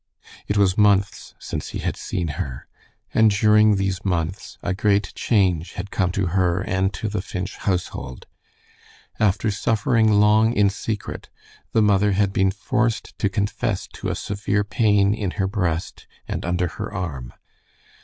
It was months since he had seen her, and during these months a great change had come to her and to the Finch household. After suffering long in secret, the mother had been forced to confess to a severe pain in her breast and under her arm.